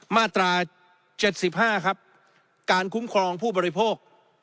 มาตรา๗๕ครับการคุ้มครองผู้บริโภค